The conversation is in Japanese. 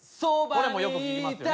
これもよく聞きますよね